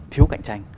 thiếu cạnh tranh